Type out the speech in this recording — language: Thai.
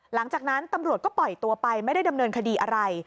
หลังจากนั้นตำรวจก็ปล่อยตัวไปไม่ได้ดำเนินคดีอะไร